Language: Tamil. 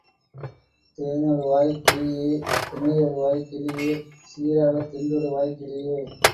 தேனொருவாய் கிளியே! திணையொருவாய் கிளியே! சீராகத் தின்றிடுவாய் கிளியே!.